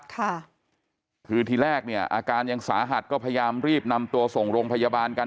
ค่ะคือทีแรกเนี่ยอาการยังสาหัสก็พยายามรีบนำตัวส่งโรงพยาบาลกัน